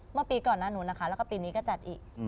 เมื่อปีก่อนหน้านู้นนะคะแล้วก็ปีนี้ก็จัดอีก